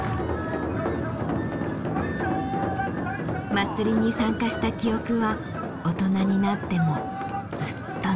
まつりに参加した記憶は大人になってもずっと残るもの。